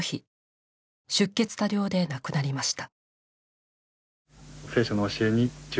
出血多量で亡くなりました。